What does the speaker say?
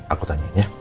aku tanyain ya